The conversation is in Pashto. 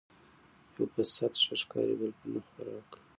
ـ يو په سعت ښه ښکاري بل په نه خوراک